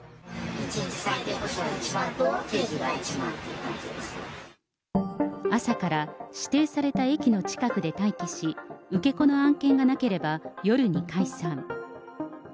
１日最低保証の１万円と、朝から指定された駅の近くで待機し、受け子の案件がなければ夜に解散。